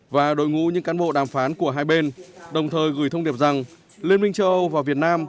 và đội ngũ những cán bộ đàm phán của hai bên đồng thời gửi thông điệp rằng liên minh châu âu và việt nam